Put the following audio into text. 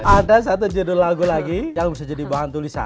ada satu judul lagu lagi yang bisa jadi bahan tulisan